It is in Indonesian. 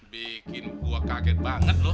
bikin gue kaget banget loh